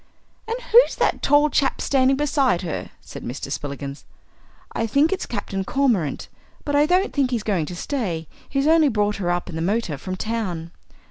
"And who's that tall chap standing beside her?" said Mr. Spillikins. "I think it's Captain Cormorant, but I don't think he's going to stay. He's only brought her up in the motor from town."